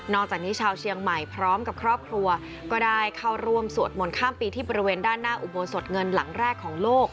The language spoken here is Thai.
จากนี้ชาวเชียงใหม่พร้อมกับครอบครัวก็ได้เข้าร่วมสวดมนต์ข้ามปีที่บริเวณด้านหน้าอุโบสถเงินหลังแรกของโลก